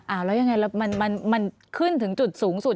แล้วยังไงแล้วมันขึ้นถึงจุดสูงสุด